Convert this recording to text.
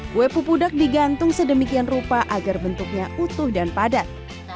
kue pupudak digantung sedemikian rupa agar bentuknya utuh dan padat